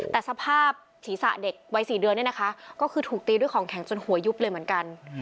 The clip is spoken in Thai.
แต่สภาพศีรษะเด็กวัย๔เดือนเนี่ยนะคะก็คือถูกตีด้วยของแข็งจนหัวยุบเลยเหมือนกัน